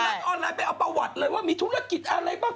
ออนไลน์ไปเอาประวัติเลยว่ามีธุรกิจอะไรบ้าง